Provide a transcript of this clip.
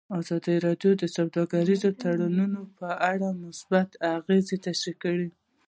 ازادي راډیو د سوداګریز تړونونه په اړه مثبت اغېزې تشریح کړي.